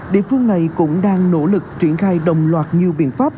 địa phương này cũng đang nỗ lực triển khai đồng loạt nhiều biện pháp